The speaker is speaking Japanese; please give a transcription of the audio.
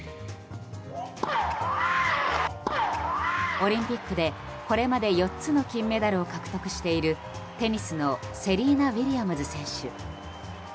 オリンピックで、これまで４つの金メダルを獲得しているテニスのセリーナ・ウィリアムズ選手。